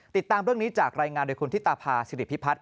ติดตามเรื่องนี้จากรายงานโดยคุณธิตาภาษิริพิพัฒน